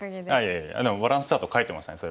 でも「バランスチャート」書いてましたね